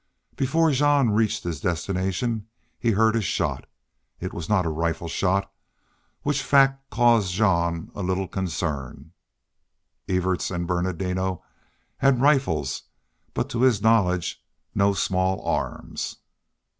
Before Jean reached his destination he heard a shot. It was not a rifle shot, which fact caused Jean a little concern. Evarts and Bernardino had rifles, but, to his knowledge, no small arms.